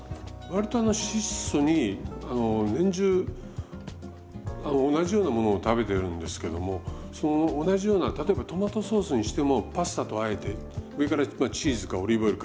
割と質素に年中同じようなものを食べてるんですけどもその同じような例えばトマトソースにしてもパスタとあえて上からチーズかオリーブオイルをかける。